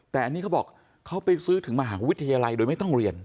แต่อันนี้เขาบอกเขาไปซื้อถึงมหาวิทยาลัยโดยไม่ต้องเรียน